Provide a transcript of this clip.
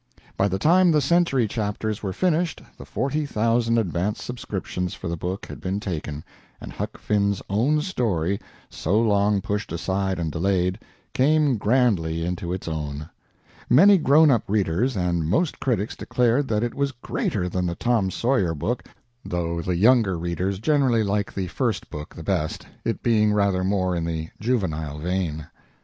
By the time the "Century" chapters were finished the forty thousand advance subscriptions for the book had been taken, and Huck Finn's own story, so long pushed aside and delayed, came grandly into its own. Many grown up readers and most critics declared that it was greater than the "Tom Sawyer" book, though the younger readers generally like the first book the best, it being rather more in the juvenile vein.